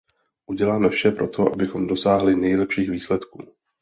Uděláme vše pro to, abychom dosáhli nejlepších výsledků.